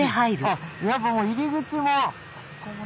あやっぱもう入り口も。